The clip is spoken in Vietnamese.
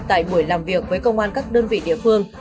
tại buổi làm việc với công an các đơn vị địa phương